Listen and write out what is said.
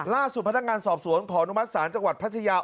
ล่าสุดพนักงานสอบศวนของหนุมัศสารจังหวัดพระชะยา